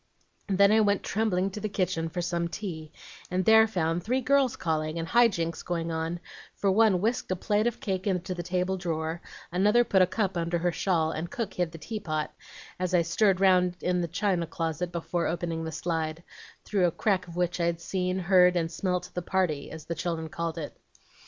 Then I went trembling to the kitchen for some tea, and there found three girls calling, and high jinks going on; for one whisked a plate of cake into the table drawer, another put a cup under her shawl, and cook hid the teapot, as I stirred round in the china closet before opening the slide, through a crack of which I'd seen, heard, and smelt 'the party,' as the children call it.